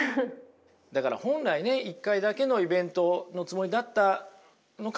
だから本来ね１回だけのイベントのつもりだったのかもしれません。